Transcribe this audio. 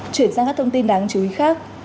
chuyển sang các thông tin đáng chú ý khác